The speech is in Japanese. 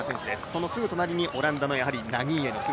そのすぐ隣にオランダのナギーエの姿。